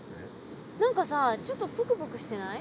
何かさちょっとプクプクしてない？